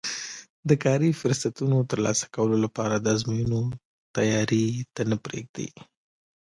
د کاري فرصتونو ترلاسه کولو لپاره د ازموینو تیاري ته نه پرېږدي